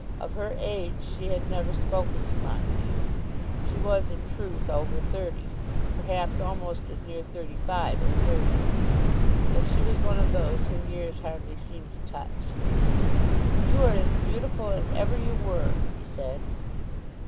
Of her age she had never spoken to Montague. She was in truth over thirty, perhaps almost as near thirty five as thirty. But she was one of those whom years hardly seem to touch. "You are beautiful as ever you were," he said.